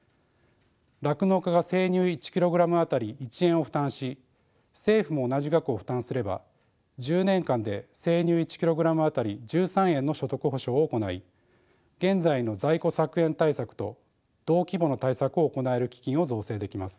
酪農家が生乳１ｋｇあたり１円を負担し政府も同じ額を負担すれば１０年間で生乳１ｋｇあたり１３円の所得補償を行い現在の在庫削減対策と同規模の対策を行える基金を造成できます。